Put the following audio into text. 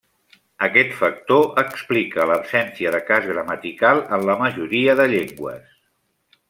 Aquest factor explica l'absència de cas gramatical en la majoria de llengües.